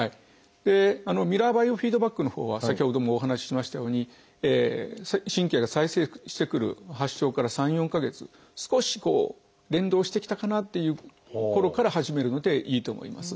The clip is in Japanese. ミラーバイオフィードバックのほうは先ほどもお話ししましたように神経が再生してくる発症から３４か月少し連動してきたかなっていうころから始めるのでいいと思います。